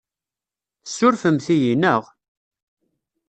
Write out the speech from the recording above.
Tessurfemt-iyi, naɣ?